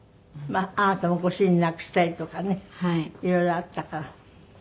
まああなたもご主人亡くしたりとかねいろいろあったから。